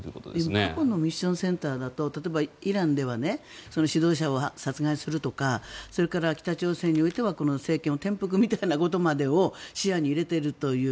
過去のミッションセンターだと例えばイランでは指導者を殺害するとかそれから北朝鮮においては政権を転覆みたいなことまでを視野に入れているという。